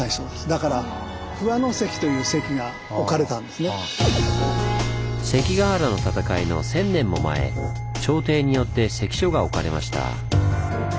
だから関ケ原の戦いの１，０００年も前朝廷によって関所が置かれました。